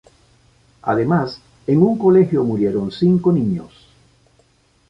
Además en un colegio murieron cinco niños.